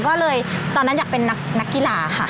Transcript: ก็เลยตอนนั้นอยากเป็นนักกีฬาค่ะ